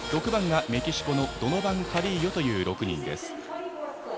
６番がメキシコのドノバン・カリーヨという６人。